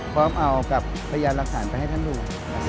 พร้อมเอากับพยานหลักฐานไปให้ท่านดู